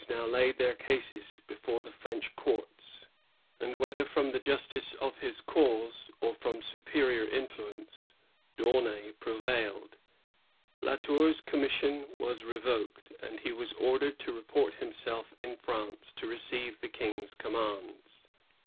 now laid their cases before the French courts, and, whether from the justice of his cause or from superior influence, D'Aunay prevailed. La Tour's commis sion was revoked, and he was ordered to report him self in France to receive the King's commands.